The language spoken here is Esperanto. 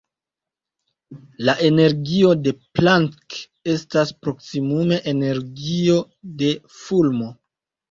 La energio de Planck estas proksimume energio de fulmo.